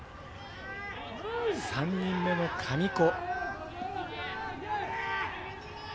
３人目の神子。